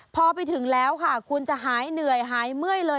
พอไปถึงแล้วค่ะคุณจะหายเหนื่อยหายเมื่อยเลย